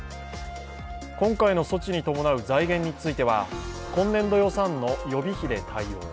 今回の措置に伴う財源については今年度予算の予備費で対応。